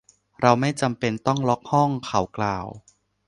เราไม่จำเป็นต้องล็อคห้อง เขากล่าว